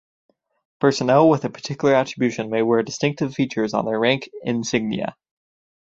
Personnel with a particular attribution may wear distinctive features on their rank insignia.